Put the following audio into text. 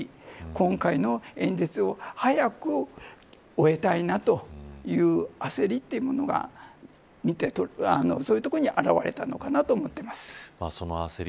今回の演説を、早く終えたいなという焦りというものがそういうところに表れたのかな